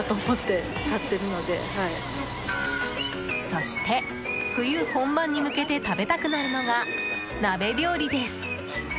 そして、冬本番に向けて食べたくなるのが鍋料理です。